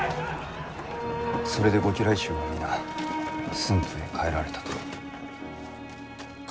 それでご家来衆は皆駿府へ帰られたと。